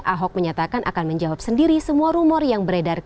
ahok menyatakan akan menjawab sendiri semua rumor yang beredar